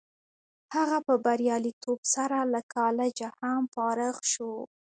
هغه په بریالیتوب سره له کالجه هم فارغ شو